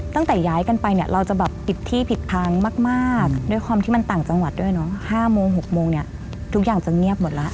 ตั้งแต่ย้ายกันไปเนี่ยเราจะแบบปิดที่ผิดพังมากด้วยความที่มันต่างจังหวัดด้วยเนาะ๕โมง๖โมงเนี่ยทุกอย่างจะเงียบหมดแล้ว